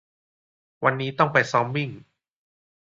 วันนี้ต้องไปซ้อมวิ่ง